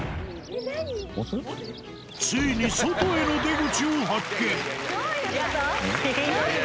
ついに外への出口を発見。